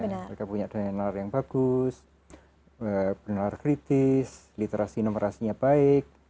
mereka punya donor yang bagus benar kritis literasi numerasinya baik